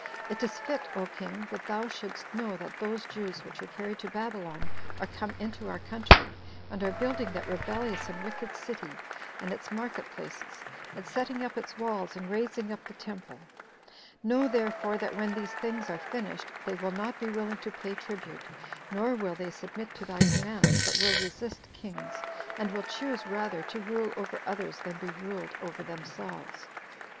It is fit, O king, that thou shouldst know that those Jews which were carried to Babylon are come into our country, and are building that rebellious and wicked city, and its market places, and setting up its walls, and raising up the temple; know therefore, that when these things are finished, they will not be willing to pay tribute, nor will they submit to thy commands, but will resist kings, and will choose rather to rule over others than be ruled over themselves.